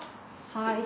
はい。